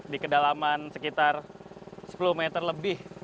di kedalaman sekitar sepuluh meter lebih